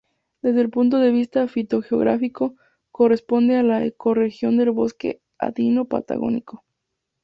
Desde el punto de vista fitogeográfico, corresponde a la ecorregión del bosque andino patagónico.